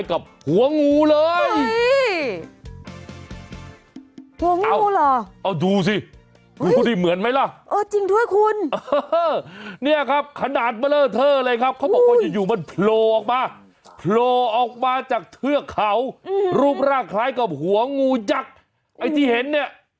ไอ้ที่เห็นเนี่ย